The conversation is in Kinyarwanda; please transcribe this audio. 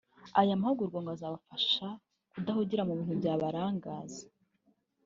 Aya mahugurwa ngo azabafasha kudahugira mu bintu byabarangaza